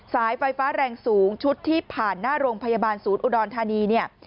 สายไฟฟ้าแรงสูงชุดที่ผ่านหน้าโรงพยาบาลศูนย์อุดรธานีเนี่ย